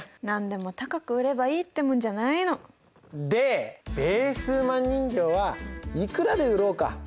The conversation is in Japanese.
何でも高く売ればいいってもんじゃないの！でベー数マン人形はいくらで売ろうか？